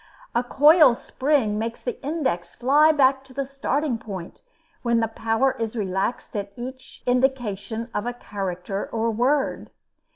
A coil spring makes the index fly back to the starting point, when the power is relaxed at each indication of a character or word.